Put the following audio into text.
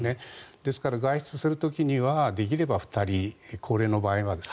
ですから外出する時にはできれば２人、高齢の場合は。